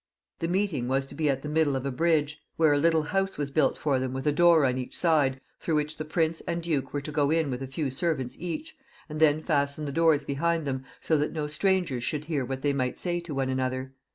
The meeting was to be at the middle of a bridge, where a little house was built for them with a door on each side, through which the prince and duke were to go in with a few servants each, and then fasten the doors behind them, so that no strangers could hear what they might say to one another.